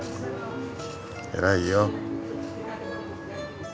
偉いよ。